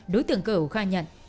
đối tượng cờ khai nhận